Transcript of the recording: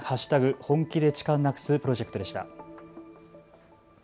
本気で痴漢なくすプロジェクトでした。